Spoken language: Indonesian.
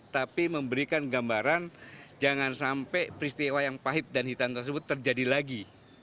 tapi memberikan gambaran jangan sampai peristiwa yang pahit dan hitam tersebut terjadi lagi